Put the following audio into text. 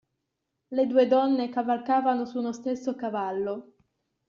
Le due donne cavalcavano su uno stesso cavallo.